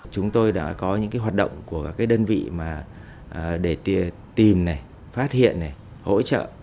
chúng tôi đã có những hoạt động của các đơn vị để tìm phát hiện hỗ trợ